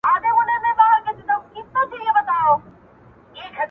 ظالمه زمانه ده جهاني له چا به ژاړو؛